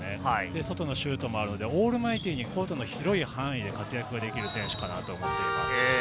外のシュートもあるので、オールマイティーにコートの広い範囲で活躍できる選手かなと思います。